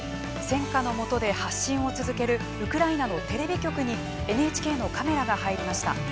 戦火の下で発信を続けるウクライナのテレビ局にＮＨＫのカメラが入りました。